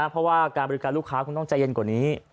เพราะว่าการบริการลูกค้าคุณต้องใจเย็นกว่านี้